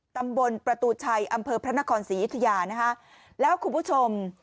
ตำบลประตูชัยอำเภอพระนครศรีอยุธยานะคะแล้วคุณผู้ชม